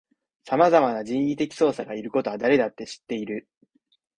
さまざまな人為的操作がいることは誰だって知っている